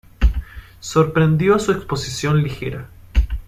sorprendió su exposición ligera